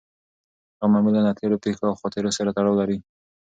غم معمولاً له تېرو پېښو او خاطرو سره تړاو لري.